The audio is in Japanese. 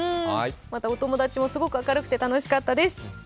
またお友達もすごく明るくて楽しかったです。